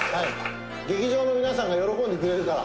塙：「劇場の皆さんが喜んでくれるから」